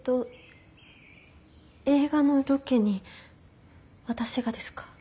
映画のロケに私がですか？